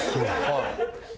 はい。